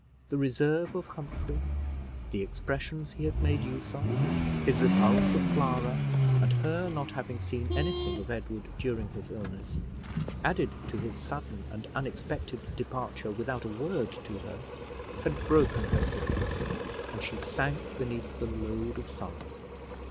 The reserve of Humphrey, the expressions he had made use of, his repulse of Clara, and her not having seen anything of Edward during his illness, added to his sudden and unexpected departure without a word to her, had broken her spirits, and she sank beneath the load of sorrow.